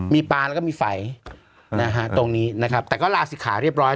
มีปลาแล้วก็มีไฝนะฮะตรงนี้นะครับแต่ก็ลาศิกขาเรียบร้อย